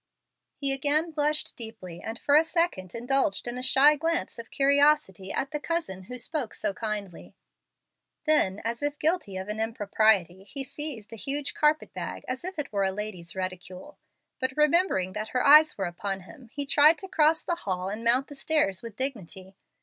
He again blushed deeply and for a second indulged in a shy glance of curiosity at the "cousin" who spoke so kindly. Then, as if guilty of an impropriety, he seized a huge carpet bag as if it were a lady's reticule. But remembering that her eyes were upon him, he tried to cross the hall and mount the stairs with dignity.